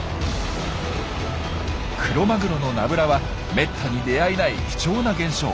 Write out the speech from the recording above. クロマグロのナブラはめったに出会えない貴重な現象。